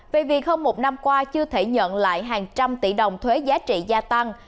vì hơn một năm qua chưa thể nhận lại hàng trăm tỷ đồng thuế giá trị gia tăng